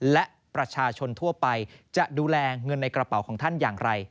และประชาชนทั่วไปจะดูแลเงินในกระเป๋าของท่านอย่างไร